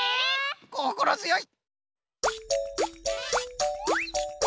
こころづよい！